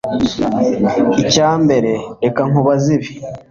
Icyambere reka nkubaze ibi